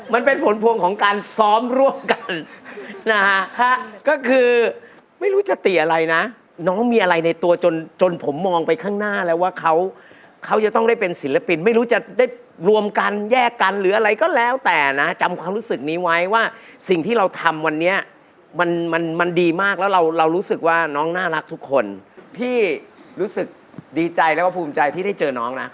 มันเป็นผลพวงของการซ้อมร่วมกันนะฮะก็คือไม่รู้จะติอะไรนะน้องมีอะไรในตัวจนจนผมมองไปข้างหน้าแล้วว่าเขาจะต้องได้เป็นศิลปินไม่รู้จะได้รวมกันแยกกันหรืออะไรก็แล้วแต่นะจำความรู้สึกนี้ไว้ว่าสิ่งที่เราทำวันนี้มันมันดีมากแล้วเรารู้สึกว่าน้องน่ารักทุกคนพี่รู้สึกดีใจแล้วก็ภูมิใจที่ได้เจอน้องนะ